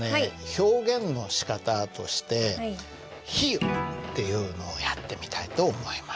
表現のしかたとして「比喩」っていうのをやってみたいと思います。